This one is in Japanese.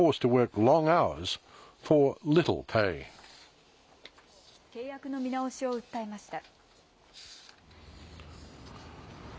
きょう、契約の見直しを訴えました。